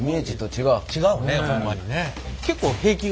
違うねホンマにね。